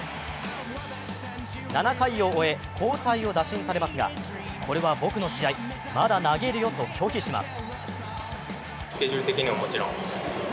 ７回を終え、交代を打診されますがこれは僕の試合、まだ投げるよと拒否します。